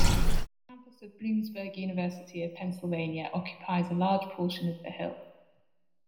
The campus of Bloomsburg University of Pennsylvania occupies a large portion of the hill.